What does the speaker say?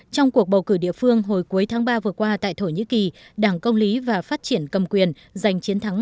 trong cuộc bầu cử địa phương hồi cuối tháng ba vừa qua tại thổ nhĩ kỳ đảng công lý và phát triển cầm quyền giành chiến thắng